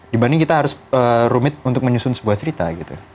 dibanding kita harus rumit untuk menyusun sebuah cerita gitu